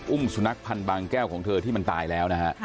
อุ้มสุนัขพันธุ์บางแก้วของเธอที่มันตายแล้ว